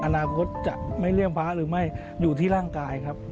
อนาคตจะไม่เลี่ยมพระหรือไม่อยู่ที่ร่างกายครับ